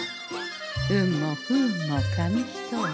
運も不運も紙一重。